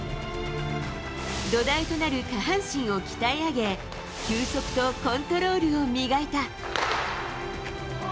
土台となる下半身を鍛え上げ、球速とコントロールを磨いた。